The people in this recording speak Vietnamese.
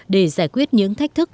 để giải quyết những thách thức